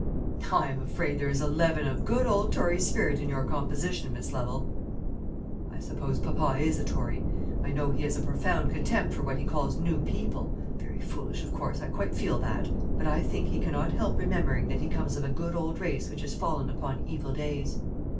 "I am afraid there is a leaven of good old Tory spirit in your composition, Miss Lovel." "I suppose papa is a Tory. I know he has a profound contempt for what he calls new people very foolish, of course, I quite feel that; but I think he cannot help remembering that he comes of a good old race which has fallen upon evil days."